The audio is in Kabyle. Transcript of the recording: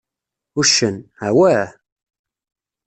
Uccen: Awah!